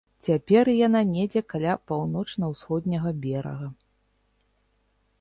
Цяпер яна недзе каля паўночна-усходняга берага.